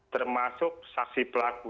termasuk saksi pelaku